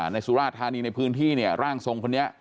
สุราธานีในพื้นที่เนี่ยร่างทรงคนนี้